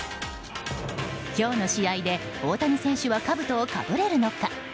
今日の試合で、大谷選手はかぶとをかぶれるのか。